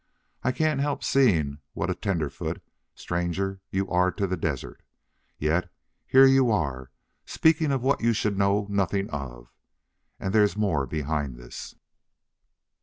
I can't help seeing what a tenderfoot stranger you are to the desert. Yet, here you are speaking of what you should know nothing of.... And there's more behind this."